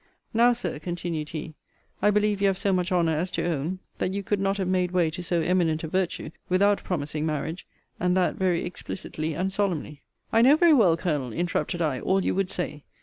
Now, Sir, continued he, I believe you have so much honour as to own, that you could not have made way to so eminent a virtue, without promising marriage; and that very explicitly and solemnly I know very well, Colonel, interrupted I, all you would say.